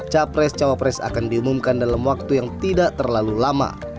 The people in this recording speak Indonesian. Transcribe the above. capres cawapres akan diumumkan dalam waktu yang tidak terlalu lama